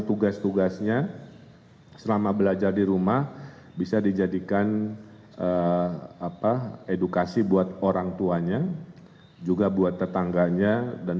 kemudian juga kelas kelas sekolah untuk pelajaran di rumah ini kemarin ada saya pantau depok bekasi bandung dan